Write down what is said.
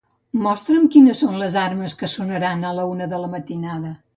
Mostra'm quines són les alarmes que sonaran a la una de la matinada.